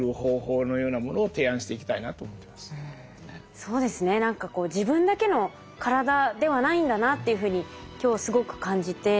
そうですね何かこう自分だけの体ではないんだなっていうふうに今日すごく感じて。